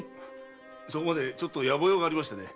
そこまでちょっと野暮用がありましてね。